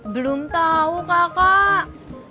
belum tau kakak